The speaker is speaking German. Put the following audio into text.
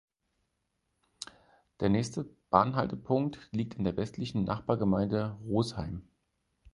Der nächste Bahnhaltepunkt liegt in der westlichen Nachbargemeinde Rosheim.